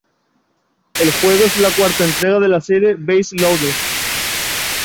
El juego es la cuarta entrega de la serie "Bases Loaded".